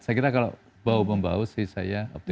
saya kira kalau bau bau sih saya